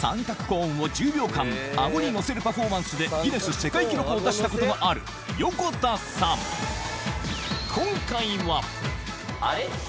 三角コーンを１０秒間アゴに乗せるパフォーマンスでギネス世界記録を出したことがある横田さんあれ？